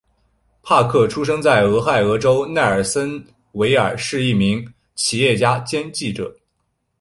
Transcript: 帕克出生在俄亥俄州奈尔森维尔是一名企业家兼记者。